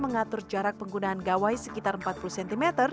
mengatur jarak penggunaan gawai sekitar empat puluh cm